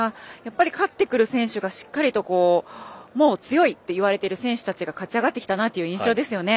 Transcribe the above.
勝ってくる選手がしっかりと強いって言われてる選手が勝ち上がってきたなという印象ですよね。